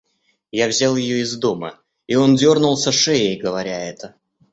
Я взял ее из дома, — и он дернулся шеей, говоря это.